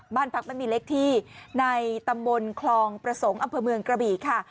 บ้านพักไม่มีเล็กที่ในตำบลคลองประสงค์อำเภอเมืองกระบี่ค่ะ